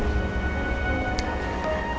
aku merasa aku berada di titik